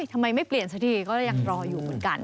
ทำไมไม่เปลี่ยนสักทีก็ยังรออยู่เหมือนกัน